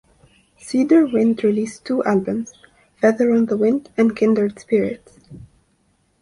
Cedar Wind released two albums, "Feather on the Wind" and "Kindred Spirits".